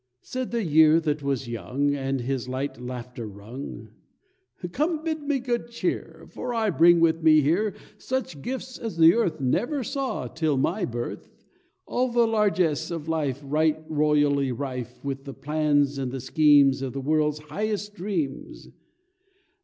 II. Said the year that was young And his light laughter rung "Come, bid me good cheer, For I bring with me here Such gifts as the earth Never saw till my birth; All the largess of life, Right royally rife With the plans and the schemes Of the world's highest dreams.